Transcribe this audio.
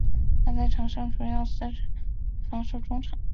他在场上主要司职防守型中场。